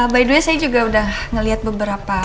by the way saya juga udah ngelihat beberapa